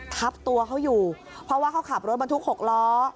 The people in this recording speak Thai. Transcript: ทับตัวเขาอยู่เพราะว่าเขาขับรถบรรทุก๖ล้อ